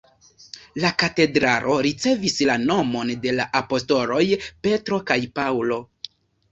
La katedralo ricevis la nomon de la apostoloj Petro kaj Paŭlo.